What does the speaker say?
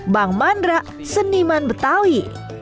bang mandra seniman betawi